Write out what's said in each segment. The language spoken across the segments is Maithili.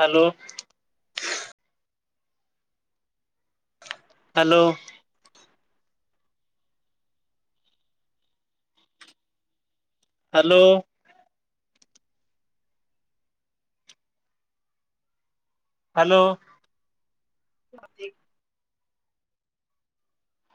Hello [unintelligible] hello hello hello. [inaudible]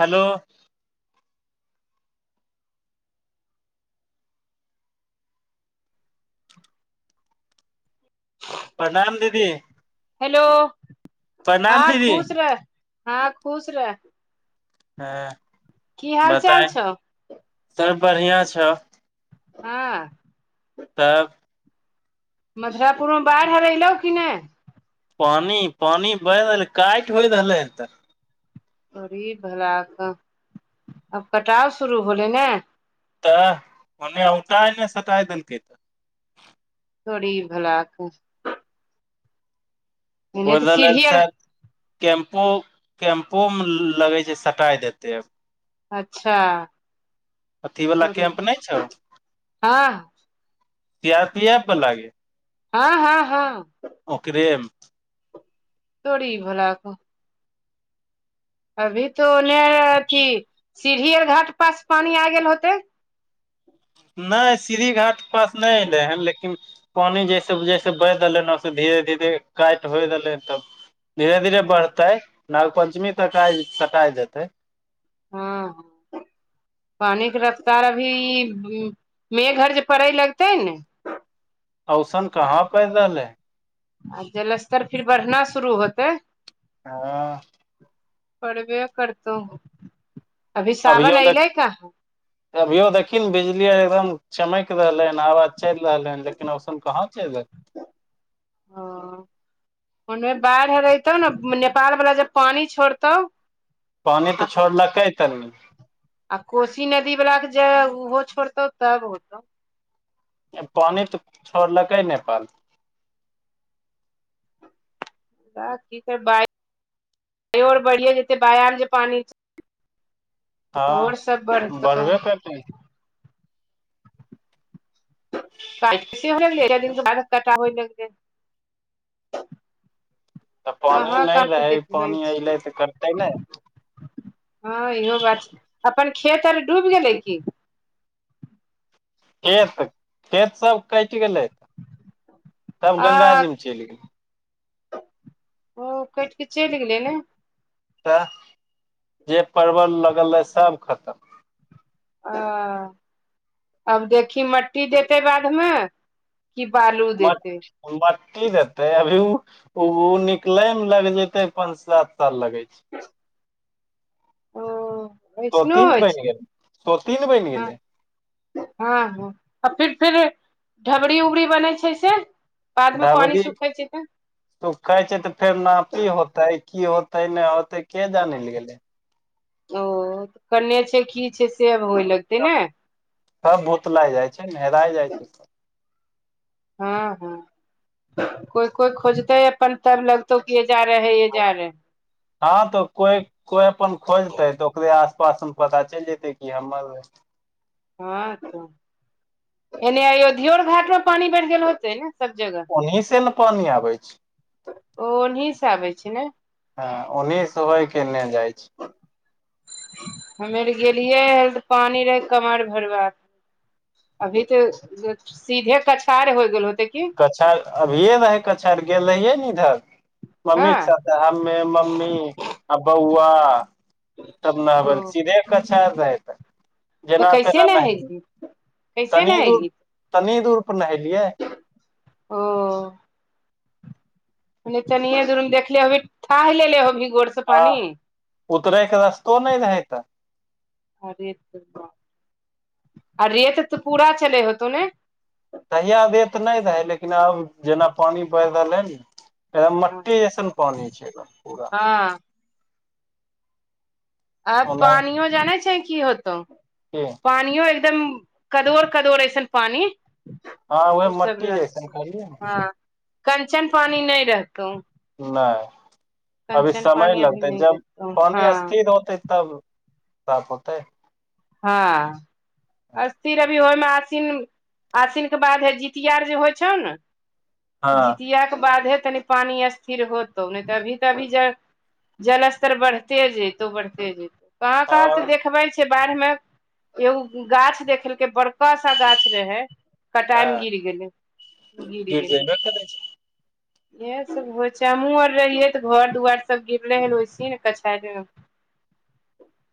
हलो ह प्रणाम दीदी हेलो, प्रणाम हँ दीदी खुश रह, हँ खुश रह। हँ की हाल चाल छौ सभ बढ़िया छौ हां तब। मथुरापुरमे बाढ़ि हर एलहुँ कि नई पानि पानि बहि रहलै काटि होइ रहलै एतऽ अभी भारा क आब कटाव शुरू होलै ने तऽ ओन्ने औटाने सटाय देलकै तऽ तोड़ी भलाऽक एने तऽ बजल सीढ़ी आर सिर। कैम्पो कैम्पोमे लगै छै सटाइ देते अच्छा। अथी वला तोरी केम्प नहि छौ हँ टीआर पीएफ वाला गे हँ हँ हँ ओकरेम तोरी भलाकऽ अभी तो ओने अथी सीढ़ी और घाट पास पानी आ गेल होतै नहि स्रीढ़ी घाट पास नई एलै हैन लेकिन पानि जैसे जैसे बहि देलै ने ओ धीरे धीरे काटि होइ देलै तब धीरे धीरे बढ़तै नाग पंचमी तक सटाय जेतै हँ पानी के रफ्तार, अभी मेघ आर जे पड़ऽ लगतै ने। औसन कहाँ पैड़ रहलै आ जलस्तर फिर बढ़ना शुरू होतै हँ परबे कैरतउ अभी सावन अऐलै काहा अभियौ देखी ने बिजली एकदम चमैक रहलै हन आवाज चलि रहलै हन लेकिन ओइसन कहाँ चलि दे ह ओन मे बाढ़ि रतौ ने नेपाल वाला जब पानी छोड़तौ पानि आ तऽ छोड़लकै तनी आ कोशी नदी वालाके जे ओहो छोड़तौ तब होतौ पानि तऽ छोड़लकै नेपाल की कर [unintelligible] र बढ़िया जे बाय जे पानी हँ आओर सभ बड़का बढ़बे करतै होइ लगल। [unintelligible] तऽ पानि नहि रहै पानि ऐलै तऽ कटते ने ह इहो बात छै अपन खेत आर डूबि गेलै की खेत खेत सब कटि गेलै तब आ गंगाजी मे चलि गेलै ओ कट के चलि गेलै ने तऽ जे परवल लगल रहै सब खतम ओ आब देखी मट्टी देतै बाद मे कि बालू मट देतै मट्टी देतै अभी ओ निकलैमे लाग जेतै पाँच सात लगै छै ओ तो ऐसनो तीन होइ बनि छै गेलै तो तीन बनि हँ गेलै। हँ हँ आ फिर फेर ढबरी उबरी बनै छै से बादमे पानि दबदी सुखै छै तऽ तू कहै छै तऽ फेर नापी होतै की होते नहि होते के जानै ले गेले ओ कन्ने छै की छै से आर होय लगतै ने तब भोतला जाइ छै नहराय जाइ छै हँ हँ कोइ कोइ खोजतै अपन तब ल तो किए जा रहे ये जा रहेै हाॅं तऽ कोइ कोई अपन खोजतै तऽ ओकरे आस पासमे पता चलि जेतै कि हमर अय हँ, तोऽ एने धियोर घाटो पानी बड़ि गेल होइतै ओनिहे से ने पानी आबै छै ओ ओनहहि से आबै छै ने। हा ओन्स होय केने जाइ छै हम यर गेलियै हल तऽ पानी रहै कमर भरबा अभी तऽ सीधे कछार हो गेल होते की कछार अभिये रहै कक्षार गेल रहियै ने इधर मम्मी के हँ साथे हमे मम्मी आ बौआ तब ओ नहबै लऽ सीधे कक्षार रहै तऽ। तऽ जेना कैसे तेना ने नहेलिये हेली कैसे ने तनि दूर हेली तनि दूर पर नहेलियै ओ। ने चनिये दूरमे देखले अभी ठाहि ले होभी गोर से हँ पानी उतरायके रास्तो नई रहै तऽ अ रेत तहि मऽ आ रेत तऽ पूरा चले होते ने तहिया देत नहि रहै लेकिन आब जेना पानि पड़ि रहल है न हँ मट्टी जसन पानि छै पूरा आ आब पानियो जानै छै की होतौ की पानियो एकदम कदोर कदोर ऐसन पानि ह उह मट्टी यइसन कहलियै हँ कंचन पानी नई रहतौ नहि अभी कंचन समय पानी अभी लगतै नहि जब देखतौ हँ पानि स्थिर होतै तब साप होतै हँ आसथीर अभी होइमे आसिन आसिनकेँ बाद हे जितियार जे होइ छौ नऽ हँ जितिया कऽ बादे तनि पानि स्थिर होतो नहि तऽ अभी तभी जऽ जलस्तर बढ़ते जइतो जइ कहाँ कहाँ से हँ देखबै छै बाढ़ि मे एगो गाछ देखलकै बड़का सा गाछ रहै हँ कटाइमे गिर गेलै गिर गेलै जेबे करै इह सब होइ छै हमहुँ आर रहियै तऽ घर दुआइर सब गिरले हेलै ओसहि नऽ कछाइर मे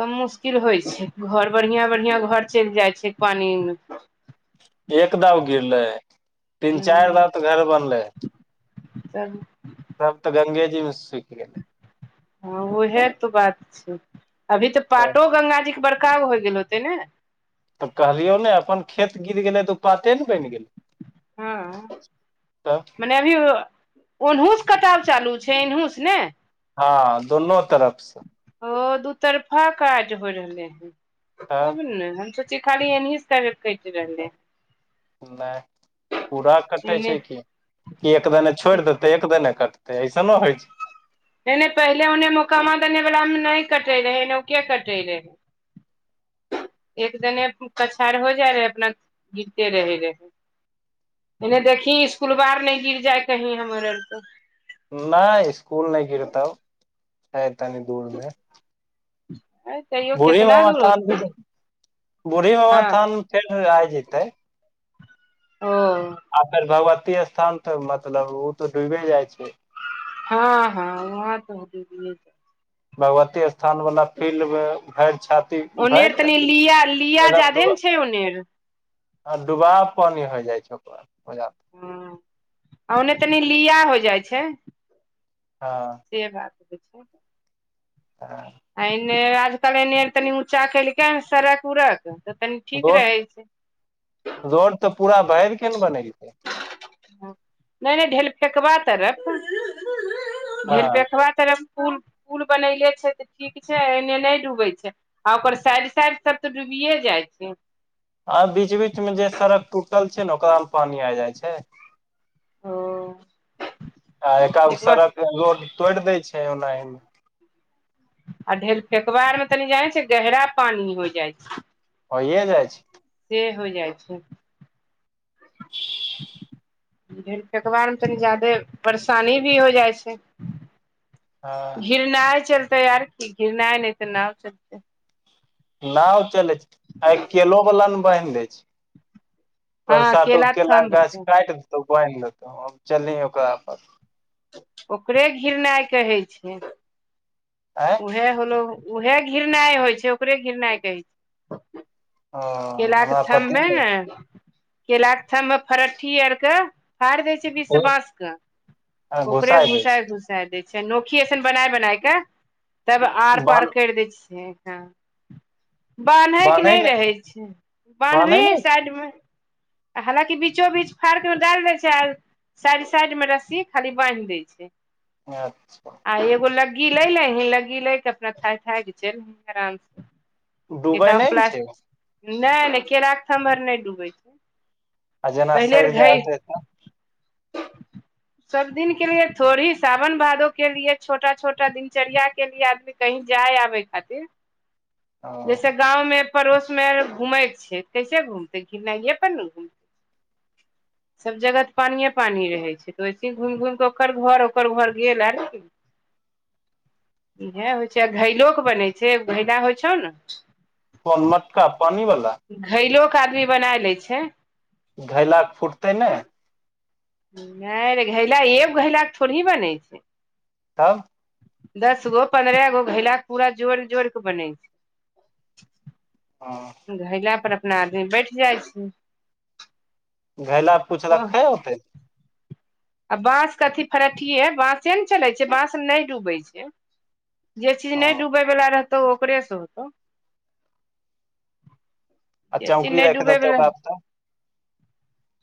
तऽ मुशकिल होइ छै घर बढ़िया बढ़िया घर चलि जाइ छै पानि। एक दउ गिरले तीन चारि वार तऽ घर बनलै चलू सब तऽ गंगेजी मे सुखि गेलै हँ उएह तऽ बात छै अभी तऽ पाटो गंगाजीके बड़का होइ गेल होतै ने तऽ कहलियौ नै अपन खेत गिर गेलै तऽ उ पाते नऽ बैन गेलै हँ तब [unintelligible] अभी ओ ओनहू सँ कटाब चालू छै एनहुँ सँ नै हँ दुनो तरफसँ ओ दू तरफा काज होइ रहले तब न‌ऽ हम। खाली एन्ही से [unintelligible] रहलै नहि पूरा कटै एने छै की कि एक दने छोड़ि देते एक दने कटते ऐसनो होइ अछि नहि नहि पहिले उन्हे मोकामा देने वाला नाऽ कटे रहे एन्हुके कटे रहे एक दने कछाइर हो जाइ रहै, अपना गिरते रहै रहै। एने देखी इसकुलबा अर नहि गिर जाय कहीं हमर आर कऽ नहि, इस्कुल नहि गिरतो छै तनि दूर मे अ बूढ़ी बाबा थान भी, बूढ़ी बाबा हँ थान फेर आय जेतै। ओ। आ फेर भगवती स्थान तऽ मतलब उ तऽ डूबे जाय छै हँ हँ वहाँ त‌ऽ [unintelligible] भगवती स्थान वाला फील्ड मे भैर छाती ओने भरि अर तनि छाती लिया - लिया जादहे नऽ छै ओने अर आ डुबा पानी होइ जाइ छै ओकर [unintelligible] हँ आ ओने तनी लिया हो जाइ छै ह से बात होइ छै ह। एन्ने आजकल एन्ने तनि ऊचा केलहकै ह सड़क उड़क तऽ तनि ठीक रहै छै रोड-रोड तऽ पूरा भरिकेँ नऽ बनेलकै नहि नहि, ढेल फेकबा तरफ। हँ [unintelligible] तरफ पुल पुल बनेले छै तऽ ठीक छै, एने नहि डूबै छै आ ओकर साइड-साइड सभ तऽ डूबिए जाइ छै। आ बीच बीचमे जे सड़क टूटल छै ने ओकरा मे पानी आ जाइ छै। ओ आ एका एक बार सड़क रोड तोड़ दै छै ओना ही आ ढेल फेकबार मे तनी जाने छै गहरा पानी हो जाइ छै होइये जाइ छै से होइ जाइ अछि। ढेलफकबा अर मे तनि जादे परेशानी भी हो जाइ छै। हँ घ्रिनाय चलतै और की घ्रिनाय नहि तऽ नाव चलतै नाव चलै छै अऽ केलो वाला न‌ऽ बान्हि दै छै। हँ पाँच सात गो केला केलाके थम्भ गाछ के काइट देतौ बान्हि लेतो आब चलही ओकरा प‌ऽ ओकरे घिरनाइ कहै छै। [unintelligible] उहे होलो ऊहे घिरनाइ होइ छै ओकरे घिरनाइ कहै छै। हँ केलाके हमरा थम पते मे नहि केलाक के थममे फरट्ठी आर के फााइर देय छै बिच से बाँस के ओकरे घुसाय दै छै घुसा-घुसा दैय छै, नोकी एसन बनाय-बनाय कऽ तब आर-पार बान्ह कैर दैय छै हँ बान्है के नाऽ रहै छै बान्है बान्हबही नै छै साइडमे हालाँकि बीचो बीच फाड़के डाइल दै छै आर साइड साइड मे रस्सी खाली बान्हि दे अछि। अच्छा। आ एगो लगी ले लिअ, लग्गी लऽ कऽ अपन थाइ- थाइ सँ चलही, आराम सँ। डूबै एकागो नै ने प्लास छै नहि नहि केराके थम आर नाऽ डूबै छै आ [inaudible] जेना सैर पहिलेर जाइ घै [inaudible] होतै तऽ सब दिन के लिए थोड़ी साावन भादो के लिए छोटा छोटा दिनचर्या के लिए आदमी कही जाय आबै खातिर हँ जैसऽ गाम मे पड़ोस मे घूमेय क‌ऽ छै कैसे घुमते पर ने घुमत [inaudible] सभ जगह तऽ पानिए-पानि रहैत छै, तऽ ओइसे घुमि-घुमि कऽ ओकर घर, ओकर घर गेल, लेकिन इहा होइ छै, घैलो के बनै छै घैला होइ छ‌ऽ न‌। [inaudible] कौन मटका पानि वाला घैलो के आदमी बनाइ लैत छै। घैला कऽ फुटतय नै नै रे घैला एगो घैलाके थोड़े ही बनै छै तब। दस गो पन्द्रह गो घैला के पूरा जोड़ि जोड़ि के बनय छै हँ घैलापर अपना आदमी बैठ जाइ छै। घैला किछु [unintelligible] राखल होइतै। आ बाँस के एही फरठीये बाँसें ने चलैत छै, बाँस नहि डूबैत छै। जे चीज हँ नहि डूबयवला रहतौ, ओकरे सँ ओतौ। आ जे चि चौकी नेए राइख डुबै देतै वला ओकरा पर तऽ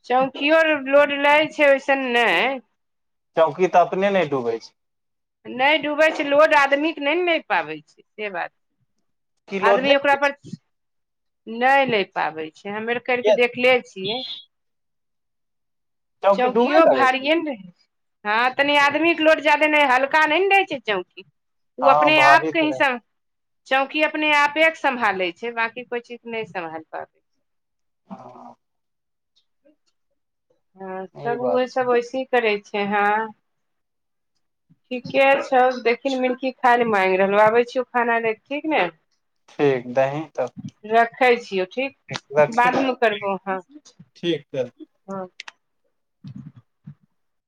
चौकियो लोड ले छै ओइसन न‌ऽ चौकी तऽ अपने नै डूबै छै नहि डूबैत छै लोड आदमीके नहि ने लेपाबै छै से बात की लोड नै आदमी ओकरा रहै छै पर। नाऽ ले पाबै छै हमे आर कर के किया देखले छियै चौकी डूबै चौकीओ लगै छै भारीए ने रहैत छै। हँ, तनि आदमी के लोड जादे नहि, हल्का नहि ने रहैत छै, चौकी। ओ हँ अपने भारी आपके तऽ रहै हिसा छै, चौकी अपने आपे सम्हालै छै, बाकी कोई चीज नहि सम्हारि पाबै ह [inaudible] [inaudible] हँ त ई बात उहो छै सभ वैसे ही करै छै हँ ठीके छै, देखू मिनकी खाय लेल माँगि रहलौ, आबैत छी खाना लऽ कऽ, ठीक ने। ठीक दहीन तऽ रखै छियौ ठीक बाद तऽ मे करबौ अहा ठीक त‌ऽ ह